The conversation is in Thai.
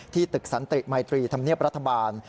ตึกสันติมัยตรีธรรมเนียบรัฐบาล